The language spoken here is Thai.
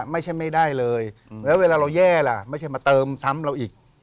ไม่ใช่ไม่ได้เลยแล้วเวลาเราแย่ล่ะไม่ใช่มาเติมซ้ำเราอีก